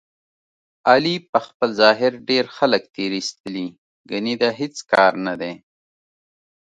علي په خپل ظاهر ډېر خلک تېر ایستلي، ګني د هېڅ کار نه دی.